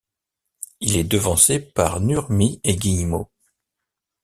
Il est devancé par Nurmi et Guillemot.